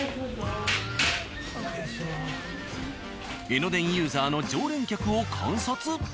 江ノ電ユーザーの常連客を観察。